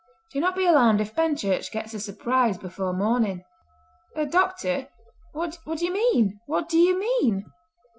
Do not be alarmed if Benchurch gets a surprise before morning." "Oh, Doctor, what do you mean? What do you mean?"